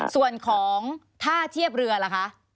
ส่วนของท่าเทียบเรือล่ะคะ